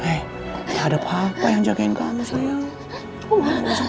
gak ada papa yang jagain kamu sayang